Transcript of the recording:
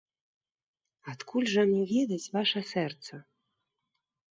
Адкуль жа мне ведаць ваша сэрца?